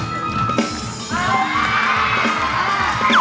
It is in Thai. น้องสาวชม